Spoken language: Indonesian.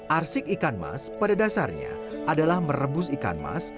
arsik ikan mas pada dasarnya adalah merebus ikan mas